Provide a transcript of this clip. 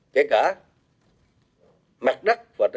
kể cả mặt đất và tầng đất